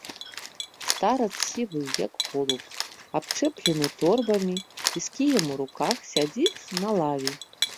Старац сівы, як голуб, абчэплены торбамі і з кіем у руках сядзіць на лаве.